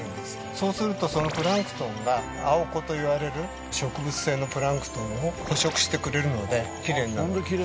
そうするとそのプランクトンがアオコといわれる植物性のプランクトンを捕食してくれるのできれいになるんです。